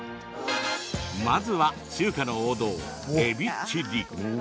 まずは、中華の王道・えびチリ。